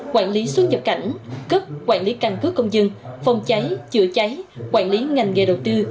quản lý xuất nhập cảnh cấp quản lý căn cứ công dân phòng cháy chữa cháy quản lý ngành nghề đầu tư